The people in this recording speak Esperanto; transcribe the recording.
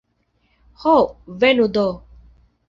Ho, venu do!